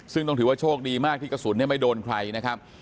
ซึ่งต้องถือว่าโชคดีมากที่กระสุนไม่โดนใครนะครับ